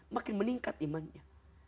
makin meningkat imannya